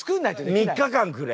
３日間くれ。